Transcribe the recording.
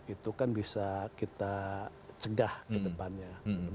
itu kan bisa kita cegah kedepannya